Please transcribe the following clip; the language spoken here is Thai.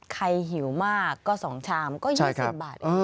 ใครหิวมากก็๒ชามก็๒๐บาท